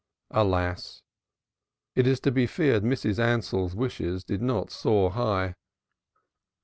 Alas! it is to be feared Mrs. Ansell's wishes did not soar high.